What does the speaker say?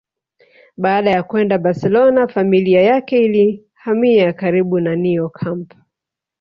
Baada ya kwenda Barcelona familia yake ilihamia karibu na Neo camp